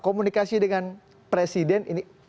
komunikasi dengan presiden ini